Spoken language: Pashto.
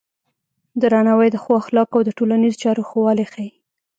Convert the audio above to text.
درناوی د ښو اخلاقو او د ټولنیزو چارو ښه والی ښيي.